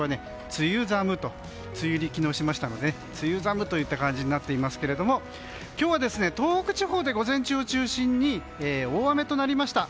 梅雨入り昨日しましたので梅雨寒という感じになっていますが今日は東北地方で午前中を中心に大雨となりました。